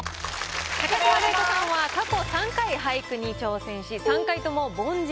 高島礼子さんは過去３回俳句に挑戦し３回とも凡人。